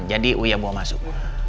jadi wia bawa masuk